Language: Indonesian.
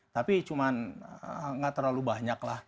tapi cuma tidak terlalu banyaklah